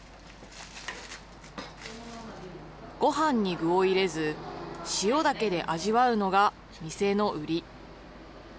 ごはんに具を入れず、塩だけで味わうのが店のウリ。